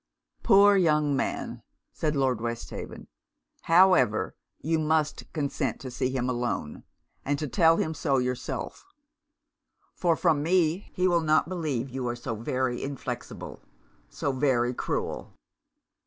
'Poor young man!' said Lord Westhaven. 'However you must consent to see him alone, and to tell him so yourself; for from me he will not believe you so very inflexible so very cruel.'